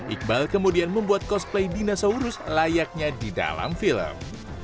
iqbal kemudian membuat cosplay dinosaurus layaknya di dalam film